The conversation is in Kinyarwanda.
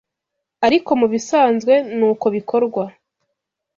Ariko mu bisanzwe nuko bikorwa